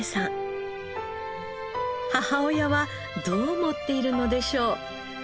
母親はどう思っているのでしょう？